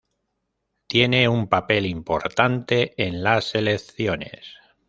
Tiene un papel importante en las elecciones.